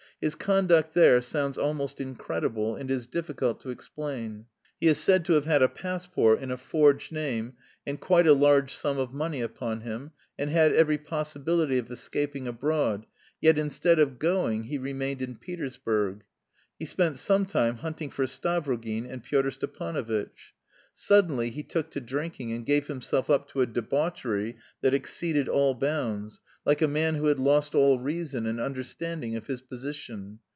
His conduct there sounds almost incredible and is difficult to explain. He is said to have had a passport in a forged name and quite a large sum of money upon him, and had every possibility of escaping abroad, yet instead of going he remained in Petersburg. He spent some time hunting for Stavrogin and Pyotr Stepanovitch. Suddenly he took to drinking and gave himself up to a debauchery that exceeded all bounds, like a man who had lost all reason and understanding of his position.